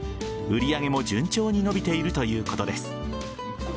売上も順調に伸びているということです。